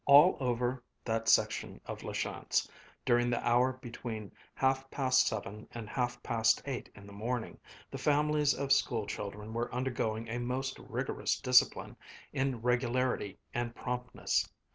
AH over that section of La Chance, during the hour between half past seven and half past eight in the morning, the families of school children were undergoing a most rigorous discipline in regularity and promptness.